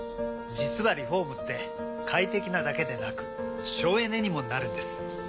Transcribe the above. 実はリフォームって快適なだけでなく省エネにもなるんです。